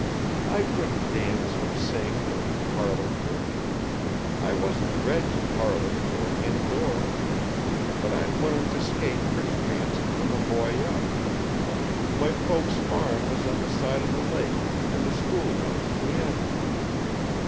"I couldn't dance or sing or do parlor tricks. I wasn't bred to parlors or indoors. But I learned to skate pretty fancy from a boy up. My folks' farm was on one side of a lake and the schoolhouse on the other.